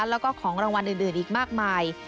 แล้วก็ของรางวัลอื่นอีกมากมาย